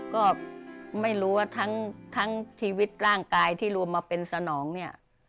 ก็ไม่รู้ว่าทั้งชีวิตร่างกายที่รวมมาเป็นสนองเนี่ย